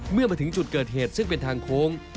เมื่อมาถึงจุดเกิดเหตุซึ่งเป็นทางโค้ง